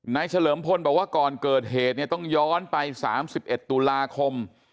เฉลิมพลบอกว่าก่อนเกิดเหตุเนี่ยต้องย้อนไป๓๑ตุลาคม